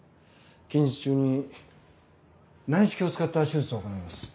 近日中に内視鏡を使った手術を行います。